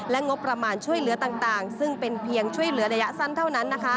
งบประมาณช่วยเหลือต่างซึ่งเป็นเพียงช่วยเหลือระยะสั้นเท่านั้น